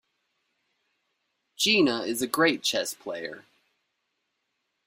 Gina is a great chess player.